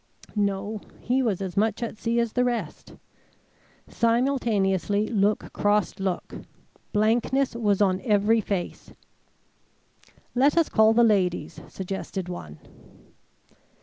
No, he was as much at sea as the rest. Simultaneously look crossed look. Blankness was on every face. "Let us call the ladies," suggested one.